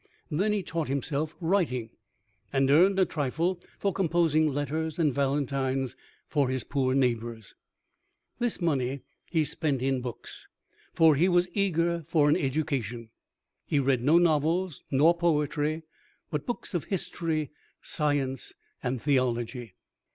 Then he taught himself writing, and earned a trifle for composing letters and Valentines for his poor neighbors. This money he spent in books, for he was eager for an education. He read no novels nor poetry, but books of history, science, and theology.